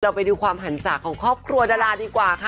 ไปดูความหันศาของครอบครัวดาราดีกว่าค่ะ